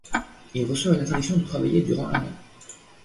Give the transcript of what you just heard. Il reçoit une interdiction de travailler durant un an.